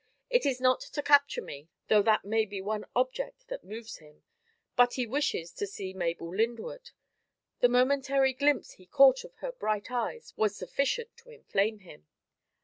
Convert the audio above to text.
It is not to capture me, though that may be one object that moves him. But he wishes to see Mabel Lyndwood. The momentary glimpse he caught of her bright eyes was sufficient to inflame him."